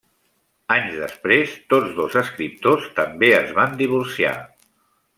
Anys després, tots dos escriptors també es van divorciar.